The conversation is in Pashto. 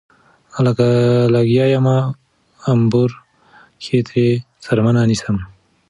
لکه لګيا يمه امبور کښې ترې څرمنه نيسم